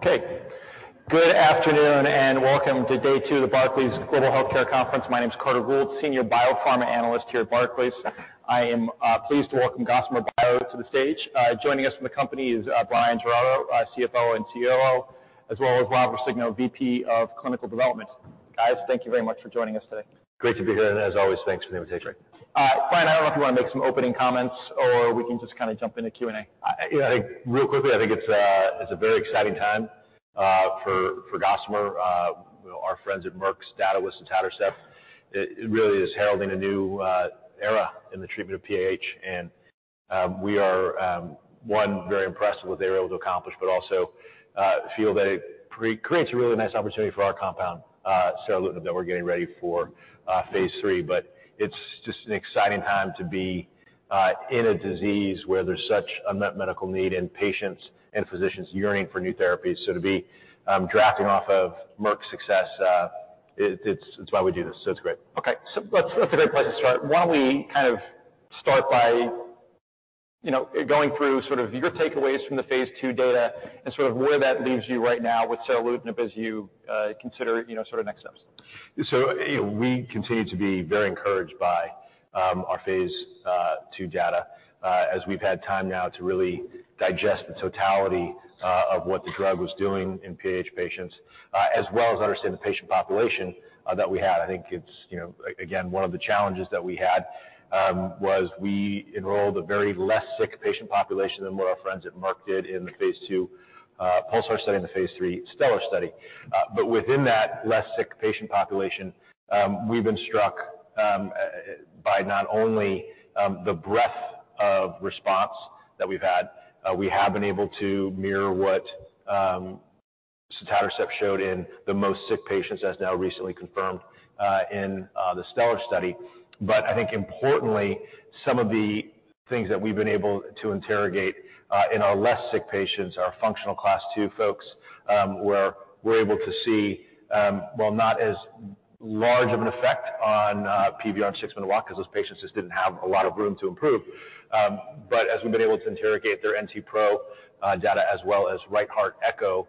Okay. Good afternoon. Welcome to day two of the Barclays Global Healthcare Conference. My name is Carter Gould, Senior Biopharma Analyst here at Barclays. I am pleased to welcome Gossamer Bio to the stage. Joining us from the company is Bryan Giraudo, our CFO and COO, as well as Rob Roscigno, VP of Clinical Development. Guys, thank you very much for joining us today. Great to be here. As always, thanks for the invitation. Bryan, I don't know if you want to make some opening comments or we can just kind of jump into Q&A? Yeah. Real quickly, I think it's a very exciting time for Gossamer Bio. Our friends at Merck's data with sotatercept, it really is heralding a new era in the treatment of PAH. We are one, very impressed with what they were able to accomplish, but also feel that it creates a really nice opportunity for our compound, Seralutinib, that we're getting ready for phase III. It's just an exciting time to be in a disease where there's such unmet medical need and patients and physicians yearning for new therapies. To be drafting off of Merck's success, it's why we do this. It's great. That's, that's a great place to start. Why don't we kind of start by you know, going through sort of your takeaways from the phase II data and sort of where that leaves you right now with Seralutinib as you consider, you know, sort of next steps. We continue to be very encouraged by our phase II data as we've had time now to really digest the totality of what the drug was doing in PAH patients as well as understand the patient population that we had. I think it's, you know, again, one of the challenges that we had was we enrolled a very less sick patient population than what our friends at Merck did in the phase II PULSAR study and the phase III STELLAR study. But within that less sick patient population, we've been struck by not only the breadth of response that we've had. We have been able to mirror what sotatercept showed in the most sick patients, as now recently confirmed in the STELLAR study. I think importantly, some of the things that we've been able to interrogate, in our less sick patients are Functional Class II folks, where we're able to see, while not as large of an effect on PVR and Six-Minute Walk Distance because those patients just didn't have a lot of room to improve. As we've been able to interrogate their NTpro data as well as right heart echo,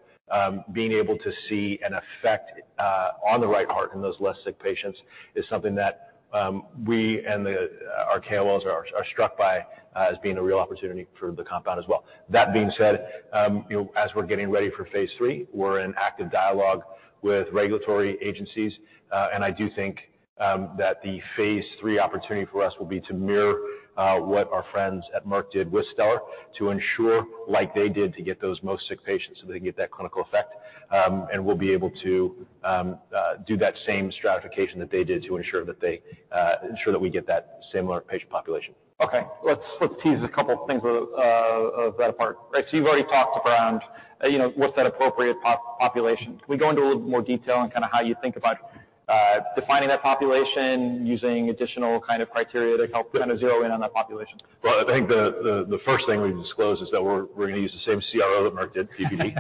being able to see an effect on the right heart in those less sick patients is something that we and our KOLs are struck by, as being a real opportunity for the compound as well. That being said, you know, as we're getting ready for phase III, we're in active dialogue with regulatory agencies. I do think that the phase III opportunity for us will be to mirror what our friends at Merck did with STELLAR to ensure, like they did; to get those most sick patients so they get that clinical effect. We'll be able to do that same stratification that they did to ensure that we get that similar patient population. Okay, let's tease a couple of things apart. You've already talked around, you know, what's that appropriate population. Can we go into a little more detail on kind of how you think about defining that population using additional kind of criteria to help kind of zero in on that population? Well, I think the first thing we've disclosed is that we're going to use the same CRO that Merck did, PPD.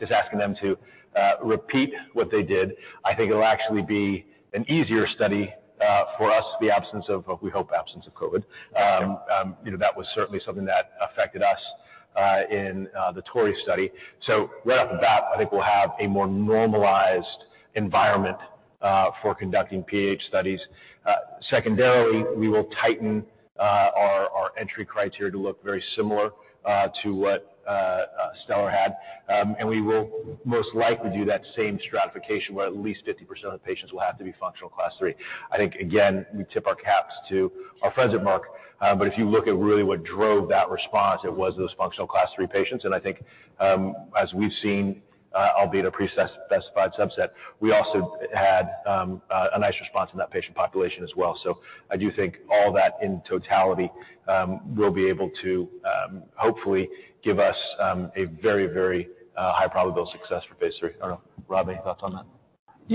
Just asking them to repeat what they did. I think it'll actually be an easier study for us, the absence of COVID. Okay. you know, that was certainly something that affected us in the TORREY study. Right off the bat, I think we'll have a more normalized environment for conducting PAH studies. Secondarily, we will tighten our entry criteria to look very similar to what STELLAR had. We will most likely do that same stratification, where at least 50% of the patients will have to be Functional Class III. I think, again, we tip our caps to our friends at Merck. If you look at really what drove that response, it was those Functional Class III patients. I think, as we've seen, albeit a pre-specified subset, we also had a nice response in that patient population as well. I do think all that in totality will be able to hopefully give us a very, very high probable success for phase III. I don't know. Rob, any thoughts on that?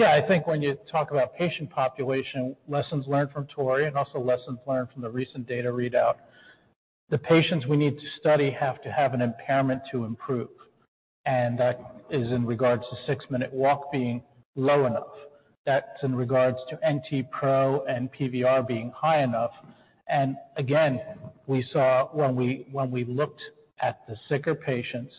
I think when you talk about patient population, lessons learned from TORREY and also lessons learned from the recent data readout, the patients we need to study have to have an impairment to improve, and that is in regard to six-minute walk being low enough. That's in regard to NTpro and PVR being high enough. Again, we saw when we looked at the sicker patients,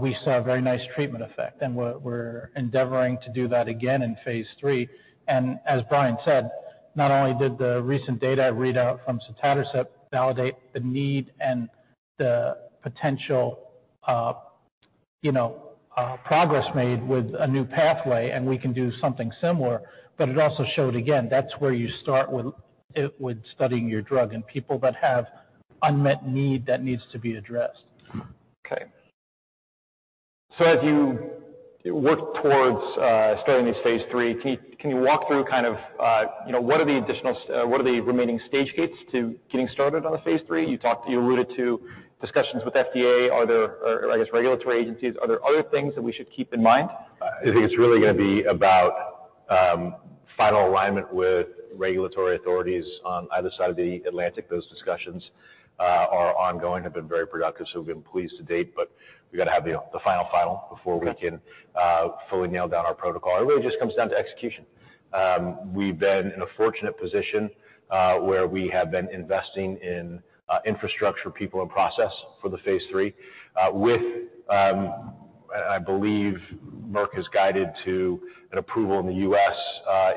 we saw a very nice treatment effect. We're endeavoring to do that again in phase III. As Bryan said, not only did the recent data readout from sotatercept validate the need and the potential, you know, progress made with a new pathway, and we can do something similar, but it also showed again, that's where you start with studying your drug in people that have unmet need that needs to be addressed. Okay. As you work towards starting this phase III, can you walk through kind of, you know, what are the remaining stage gates to getting started on a phase III? You alluded to discussions with FDA. Are there, or I guess regulatory agencies, are there other things that we should keep in mind? I think it's really going to be about final alignment with regulatory authorities on either side of the Atlantic. Those discussions are ongoing, have been very productive, so we've been pleased to date. We got to have the final before we can fully nail down our protocol. It really just comes down to execution. We've been in a fortunate position where we have been investing in infrastructure, people, and process for the phase III. I believe Merck has guided to an approval in the U.S.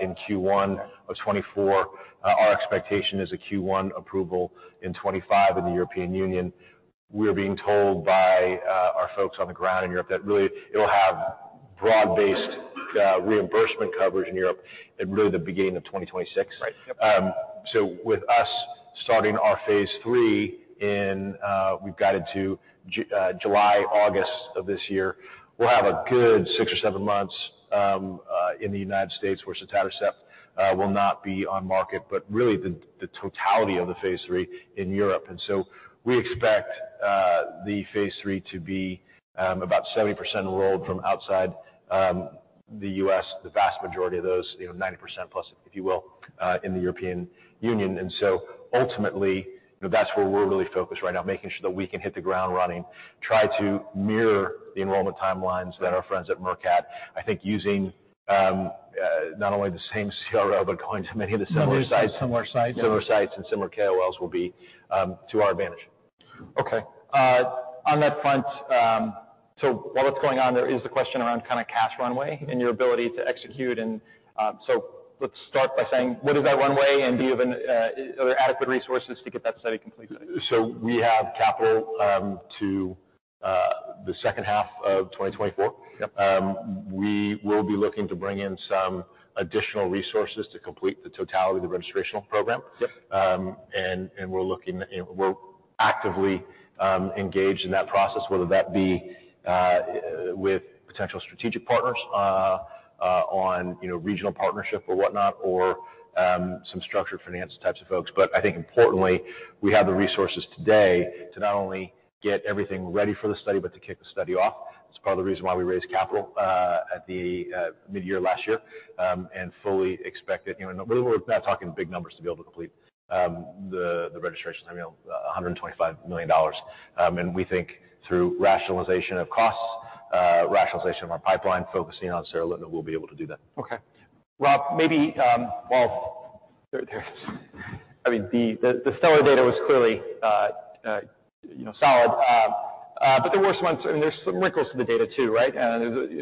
in Q1 of 2024. Our expectation is a Q1 approval in 2025 in the European Union. We're being told by our folks on the ground in Europe that really, it'll have broad-based reimbursement coverage in Europe at really the beginning of 2026. Right. Yep. With us starting our phase III in July, August of this year, we'll have a good six or seven months in the United States where sotatercept will not be on market, but really the totality of the phase III in Europe. We expect the phase III to be about 70% enrolled from outside the U.S. The vast majority of those, you know, 90%+, if you will, in the European Union. Ultimately, you know, that's where we're really focused right now, making sure that we can hit the ground running, try to mirror the enrollment timelines that our friends at Merck had. I think using not only the same CRO, but going to many of the similar sites- Similar sites. Similar sites and similar KOLs will be to our advantage. Okay. On that front, while that's going on, there is the question around kind of cash runway and your ability to execute. Let's start by saying, what is that runway and do you have adequate resources to get that study completed? We have capital to the H2 of 2024. Yep. We will be looking to bring in some additional resources to complete the totality of the registrational program. Yep. We're actively engaged in that process, whether that be with potential strategic partners on, you know, regional partnership or whatnot or some structured finance types of folks. I think importantly, we have the resources today to not only get everything ready for the study but to kick the study off. It's part of the reason why we raised capital at the mid-year last year and fully expect it. You know, we're not talking big numbers to be able to complete the registrations. I mean, $125 million. We think through rationalization of costs, rationalization of our pipeline, focusing on Seralutinib, we'll be able to do that. Okay. Rob, maybe, while there's... I mean, the STELLAR data was clearly, you know, solid. There's some wrinkles to the data too, right?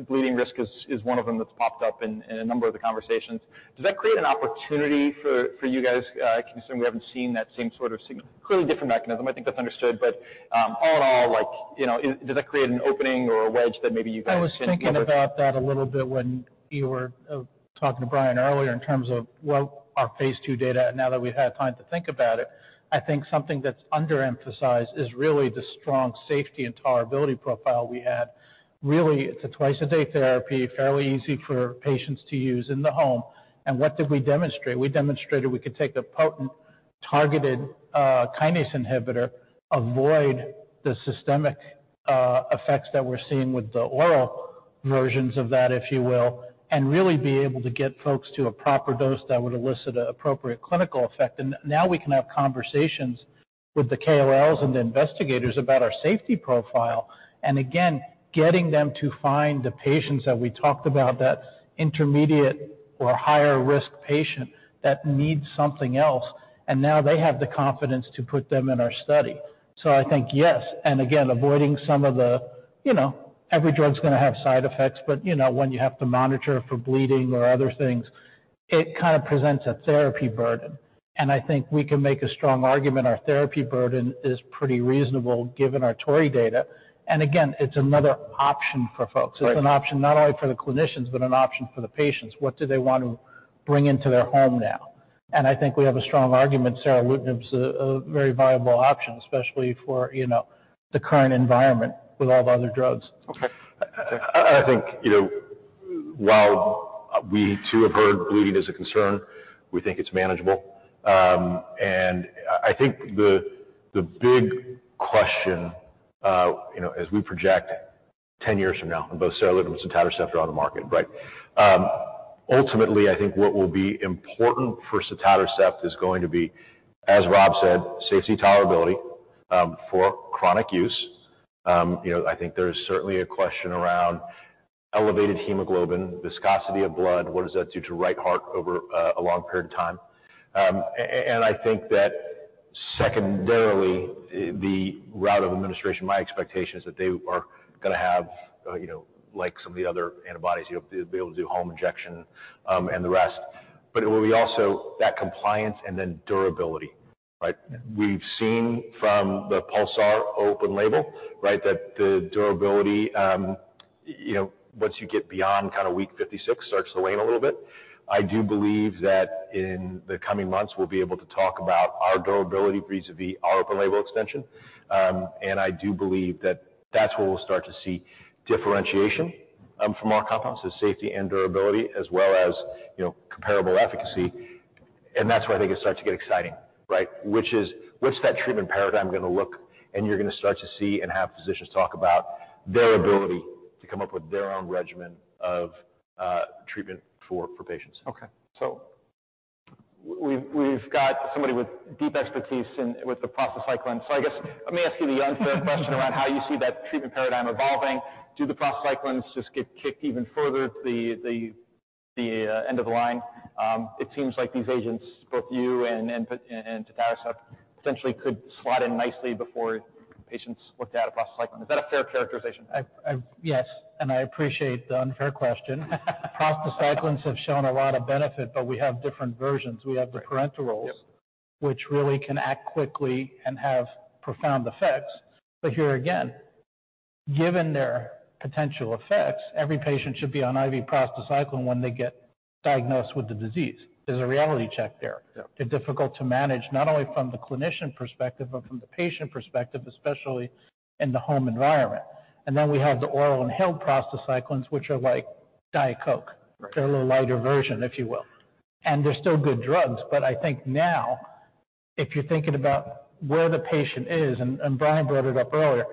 Bleeding risk is one of them that's popped up in a number of the conversations. Does that create an opportunity for you guys? I assume we haven't seen that same sort of clearly different mechanism. I think that's understood. All in all, like, you know, does that create an opening or a wedge that maybe you guys can- I was thinking about that a little bit when you were talking to Bryan earlier in terms of what our phase II data. Now that we've had time to think about it, I think something that's underemphasized is really the strong safety and tolerability profile we had. Really, it's a twice-a-day therapy, fairly easy for patients to use in the home. What did we demonstrate? We demonstrated we could take the potent targeted kinase inhibitor, avoid the systemic effects that we're seeing with the oral versions of that, if you will, and really be able to get folks to a proper dose that would elicit an appropriate clinical effect. Now we can have conversations with the KOLs and the investigators about our safety profile. Again, getting them to find the patients that we talked about, that intermediate or higher-risk patient that needs something else, and now they have the confidence to put them in our study. I think, yes. Again, avoiding some of the. You know, every drug's going to have side effects, but, you know, when you have to monitor for bleeding or other things, it kind of presents a therapy burden. I think we can make a strong argument our therapy burden is pretty reasonable given our TORREY data. Again, it's another option for folks. Right. It's an option not only for the clinicians, but an option for the patients. What do they want to bring into their home now? I think we have a strong argument Seralutinib is a very viable option, especially for, you know, the current environment with all the other drugs. Okay. I think, you know, while we too have heard bleeding is a concern, we think it's manageable. I think the big question, you know, as we project 10 years from now when both Seralutinib and sotatercept are on the market, right? Ultimately, I think what will be important for sotatercept is going to be, as Rob said, safety tolerability for chronic use. You know, I think there's certainly a question around elevated hemoglobin, viscosity of blood. What does that do to right heart over a long period of time? I think that secondarily, the route of administration, my expectation is that they are going to have, you know, like some of the other antibodies, you'll be able to do home injection, and the rest. It will be also that compliance and then durability, right? We've seen from the PULSAR open label, right? That the durability, you know, once you get beyond kind of week 56, starts to wane a little bit. I do believe that in the coming months, we'll be able to talk about our durability vis-à-vis our open label extension. I do believe that that's where we'll start to see differentiation from our compounds, is safety and durability as well as, you know, comparable efficacy. That's where I think it starts to get exciting, right? Which is what's that treatment paradigm going to look? You're going to start to see and have physicians talk about their ability to come up with their own regimen of treatment for patients. Okay. We've got somebody with deep expertise with the prostacyclins. I guess let me ask you the unfair question around how you see that treatment paradigm evolving. Do the prostacyclins just get kicked even further to the end of the line. It seems like these agents, both you and sotatercept, essentially could slot in nicely before patients looked at a prostacyclin. Is that a fair characterization? Yes, I appreciate the unfair question. prostacyclins have shown a lot of benefit, but we have different versions. Right. We have the parentals- Yep which really can act quickly and have profound effects. Here again, given their potential effects, every patient should be on IV prostacyclin when they get diagnosed with the disease. There's a reality check there. Yep. They're difficult to manage, not only from the clinician perspective but from the patient perspective, especially in the home environment. We have the oral inhaled prostacyclins, which are like Diet Coke. Right. They're a little lighter version, if you will. They're still good drugs. I think now, if you're thinking about where the patient is, and Bryan brought it up earlier,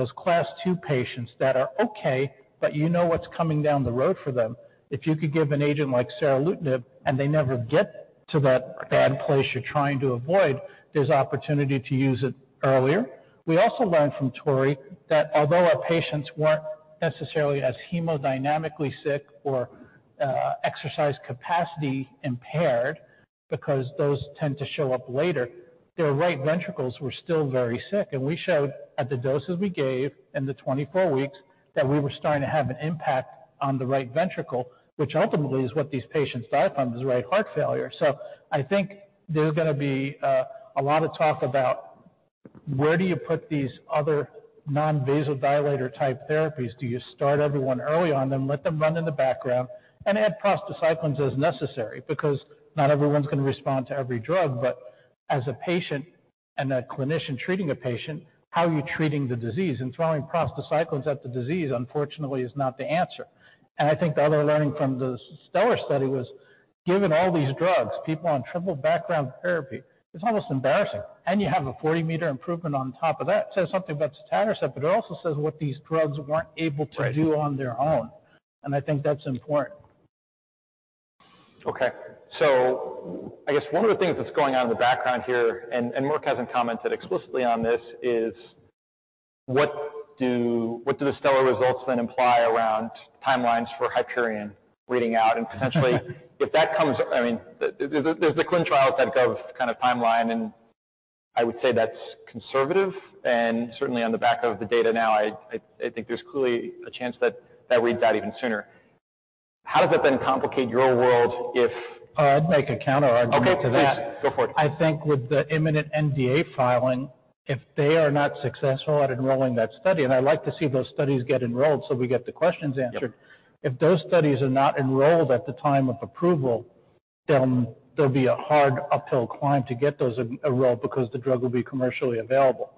those Functional Class II patients that are okay, but you know what's coming down the road for them. If you could give an agent like Seralutinib, and they never get to that bad place you're trying to avoid, there's opportunity to use it earlier. We also learned from TORREY that although our patients weren't necessarily as hemodynamically sick or exercise capacity impaired because those tend to show up later, their right ventricles were still very sick. We showed at the doses we gave in the 24 weeks that we were starting to have an impact on the right ventricle, which ultimately is what these patients die from, is right heart failure. I think there's going to be a lot of talk about where do you put these other non-vasodilator type therapies. Do you start everyone early on them, let them run in the background and add prostacyclins as necessary? Not everyone's going to respond to every drug, but as a patient and a clinician treating a patient, how are you treating the disease? Throwing prostacyclins at the disease, unfortunately, is not the answer. I think the other learning from the STELLAR study was given all these drugs, people on triple background therapy, it's almost embarrassing. You have a 40-meter improvement on top of that. It says something about sotatercept, but it also says what these drugs weren't able to do on their own, and I think that's important. Okay. I guess one of the things that's going on in the background here, and Merck hasn't commented explicitly on this, is what do the STELLAR results then imply around timelines for HYPERION reading out? Potentially, if that comes. I mean, there's the V Quinn trials that go kind of timeline, and I would say that's conservative and certainly on the back of the data now, I think there's clearly a chance that that reads out even sooner. How does it then complicate your world. I'd make a counterargument to that. Okay. Please. Go for it. I think with the imminent NDA filing, if they are not successful at enrolling that study, and I'd like to see those studies get enrolled, so we get the questions answered. Yep. If those studies are not enrolled at the time of approval, then there'll be a hard uphill climb to get those enrolled because the drug will be commercially available.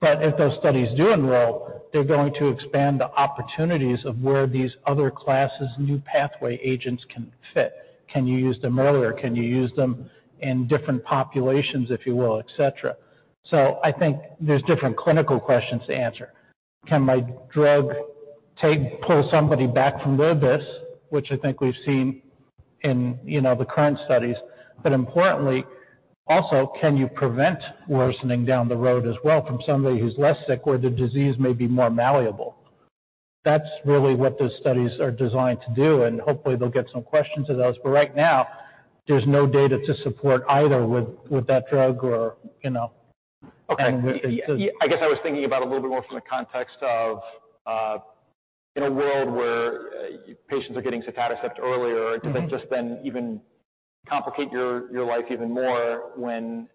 If those studies do enroll, they're going to expand the opportunities of where these other classes, new pathway agents can fit. Can you use them earlier? Can you use them in different populations, if you will, et cetera. I think there's different clinical questions to answer. Can my drug pull somebody back from the abyss, which I think we've seen in, you know, the current studies? Importantly, also, can you prevent worsening down the road as well from somebody who's less sick, where the disease may be more malleable? That's really what those studies are designed to do, and hopefully, they'll get some questions to those. Right now, there's no data to support either with that drug or, you know. Okay. Yeah. I guess I was thinking about a little bit more from the context of, in a world where, patients are getting sotatercept earlier. Does it just then even complicate your life even more when,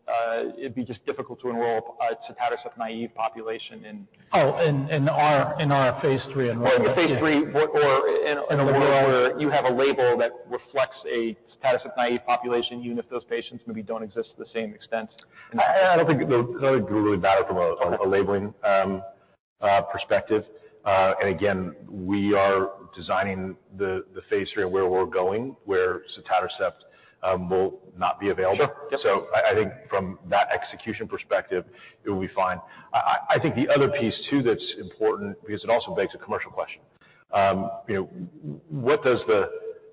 it'd be just difficult to enroll a sotatercept naive population in. Oh, in our phase III enrollment. Yeah. In phase III or. In the world- A world where you have a label that reflects a sotatercept naive population, even if those patients maybe don't exist to the same extent. I don't think that would really matter from a labeling, perspective. Again, we are designing the phase III and where we're going, where sotatercept will not be available. Sure. Yep. I think from that execution perspective, it will be fine. I think the other piece too that's important because it also begs a commercial question. you know, what does the,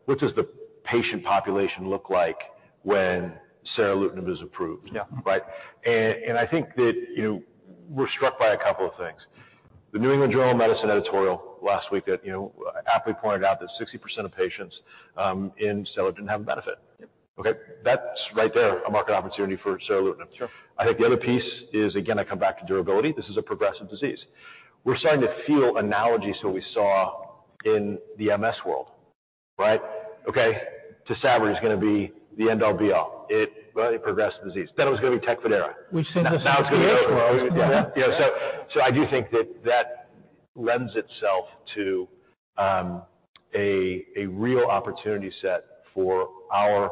what does the patient population look like when Seralutinib is approved? Yeah. Right? I think that, you know, we're struck by a couple of things. The New England Journal of Medicine editorial last week that, you know, aptly pointed out that 60% of patients in sotatercept didn't have a benefit. Yep. Okay? That's right there, a market opportunity for Seralutinib. Sure. I think the other piece is, again, I come back to durability. This is a progressive disease. We're starting to feel analogies that we saw in the MS world, right? Okay, TYSABRI is gonna be the end-all be-all. It progressed the disease. It was gonna be TECFIDERA. We've seen this in the HS world. Now it's going to be. Yeah. Yeah. So I do think that that lends itself to a real opportunity set for our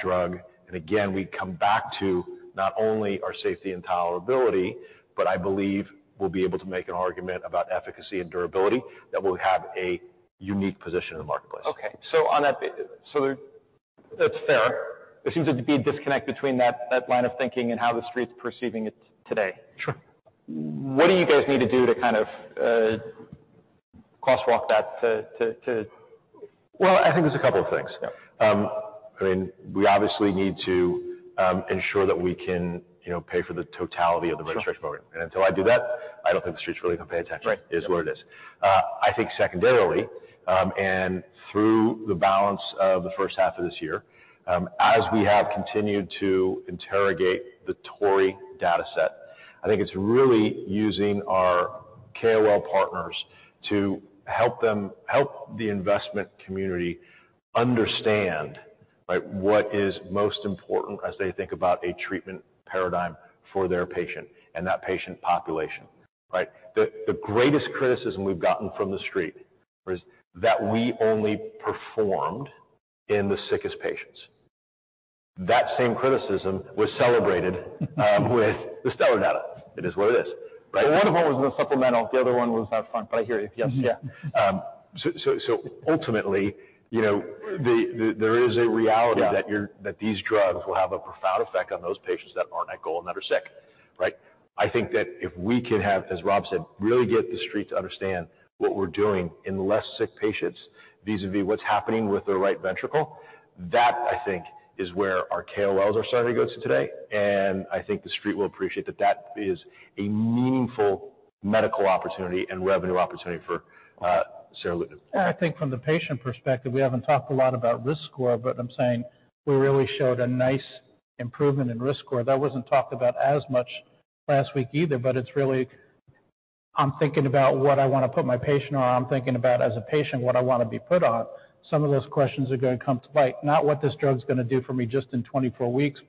drug. Again, we come back to not only our safety and tolerability, but I believe we'll be able to make an argument about efficacy and durability that will have a unique position in the marketplace. Okay. On that. That's fair. There seems to be a disconnect between that line of thinking and how the street's perceiving it today. Sure. What do you guys need to do to kind of, crosswalk that to? Well, I think there's a couple of things. Yeah. I mean, we obviously need to ensure that we can, you know, pay for the totality of the registration program. Sure. Until I do that, I don't think the street's really gonna pay attention. Right. Is what it is. I think secondarily, and through the balance of the first half of this year, as we have continued to interrogate the TORREY dataset, I think it's really using our KOL partners to help the investment community understand, right, what is most important as they think about a treatment paradigm for their patient and that patient population, right? The greatest criticism we've gotten from the street is that we only performed in the sickest patients. That same criticism was celebrated with the STELLAR data. It is what it is, right? One of them was in the supplemental, the other one was out front. I hear you. Yes. Yeah. Ultimately, you know, there is a reality... Yeah. that these drugs will have a profound effect on those patients that aren't at goal and that are sick, right? I think that if we can have, as Rob said, really get the street to understand what we're doing in less sick patients vis-à-vis what's happening with the right ventricle, that I think is where our KOLs are starting to go to today. I think the street will appreciate that that is a meaningful medical opportunity and revenue opportunity for Seralutinib. I think from the patient perspective, we haven't talked a lot about risk score. I'm saying we really showed a nice improvement in risk score. That wasn't talked about as much last week either. It's really, I'm thinking about what I want to put my patient on. I'm thinking about as a patient, what I want to be put on. Some of those questions are going to come to light. Not what this drug's going to do for me just in 24 weeks,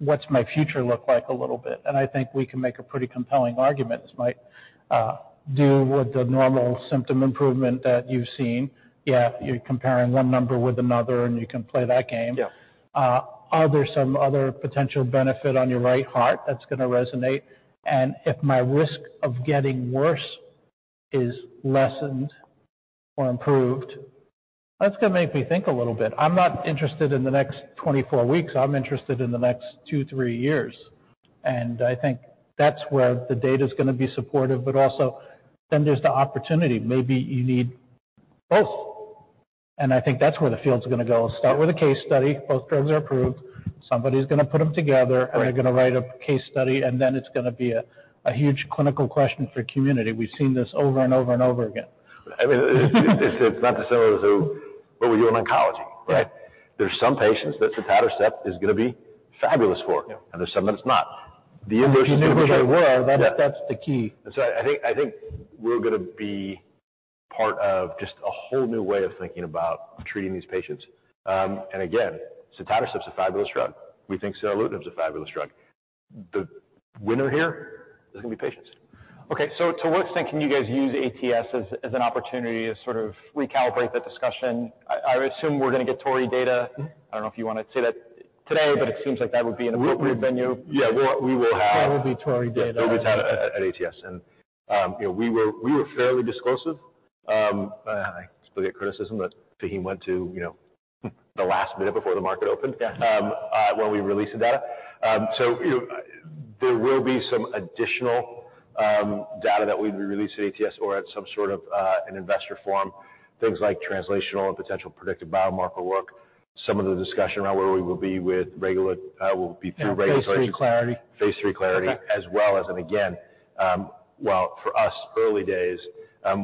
what's my future look like a little bit. I think we can make a pretty compelling argument. This might do with the normal symptom improvement that you've seen. Yeah, you're comparing one number with another. You can play that game. Yeah. Are there some other potential benefit on your right heart that's going to resonate? If my risk of getting worse is lessened or improved, that's going to make me think a little bit. I'm not interested in the next 24 weeks. I'm interested in the next two, three years. I think that's where the data's going to be supportive. Also, then there's the opportunity. Maybe you need both. I think that's where the field's going to go. Start with a case study. Both drugs are approved. Somebody's going to put them together. Right. They're going to write a case study, then it's going to be a huge clinical question for community. We've seen this over and over and over again. I mean, it's not dissimilar to what we do in oncology, right? Yeah. There are some patients that sotatercept is going to be fabulous for. Yeah. there's some that it's not. If you know who they were- Yeah. That's, that's the key. I think we're going to be part of just a whole new way of thinking about treating these patients. Sotatercept is a fabulous drug. We think Seralutinib is a fabulous drug. The winner here is going to be patients. Okay. To what extent can you guys use ATS as an opportunity to sort of recalibrate the discussion? I assume we're going to get TORREY data. Mm-hmm. I don't know if you want to say that today, but it seems like that would be an appropriate venue. Yeah. We. There will be TORREY data. Yeah. We will have it at ATS. You know, we were fairly discursive. I still get criticism that Faheem went to, you know, the last minute before the market opened- Yeah. when we released the data. You know, there will be some additional data that we release at ATS or at some sort of an investor forum. Things like translational and potential predictive biomarker work. Some of the discussion around where we will be through regulatory- Yeah. phase III clarity. Phase III clarity. Okay. As well as. Again, while for us, early days,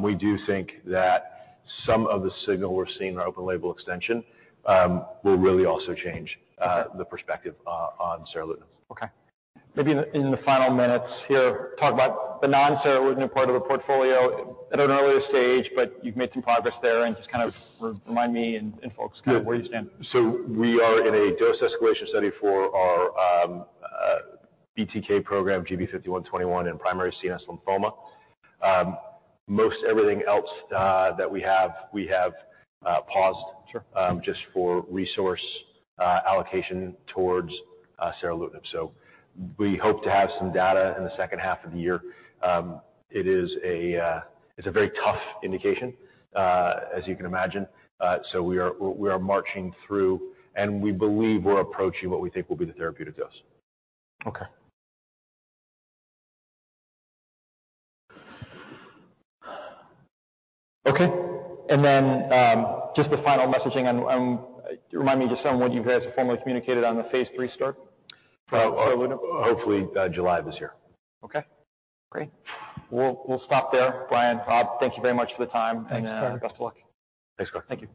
we do think that some of the signal we're seeing in our open-label extension, will really also. Okay. the perspective, on Seralutinib. Okay. Maybe in the final minutes here, talk about the non-Seralutinib part of the portfolio. At an earlier stage, but you've made some progress there, and just kind of remind me and folks' kind of where you stand. We are in a dose-escalation study for our BTK program, GB5121 in primary CNS lymphoma. Most everything else that we have, we have paused. Sure. just for resource allocation towards Seralutinib. We hope to have some data in the 2nd half of the year. It's a very tough indication, as you can imagine. We are marching through, and we believe we're approaching what we think will be the therapeutic dose. Okay. Okay. Then just the final messaging on what you guys formally communicated on the phase III start for Seralutinib? Hopefully, July of this year. Okay. Great. We'll stop there. Bryan, Rob, thank you very much for the time. Thanks. Best of luck. Thanks, Carter. Thank you.